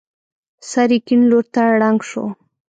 سر يې کيڼ لور ته ړنګ شو.